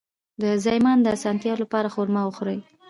د زایمان د اسانتیا لپاره خرما وخورئ